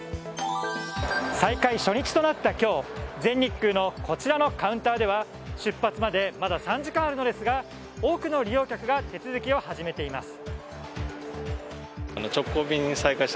再開初日にとなった今日全日空のこちらのカウンターでは出発までまだ３時間あるのですが多くの利用客が手続きを始めています。